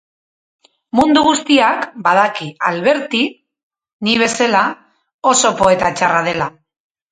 Mundu guziak badaki Alberti, ni bezala, oso poeta txarra dela.